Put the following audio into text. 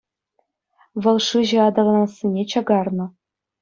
Вӑл шыҫӑ аталанассине чакарнӑ.